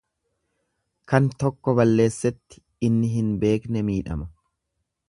Kan tokko balleessetti inni hin beekne miidhama.